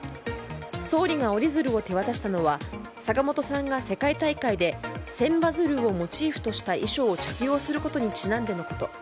総理が折り鶴を手渡したのは坂本さんが世界大会で千羽鶴をモチーフとした衣装を着用することにちなんでのこと。